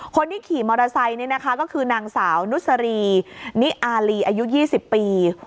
คนที่ขี่มอเตอร์ไซค์นี่นะคะก็คือนางสาวนุสรีนิอารีอายุ๒๐ปี